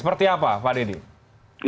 seperti apa pak deddy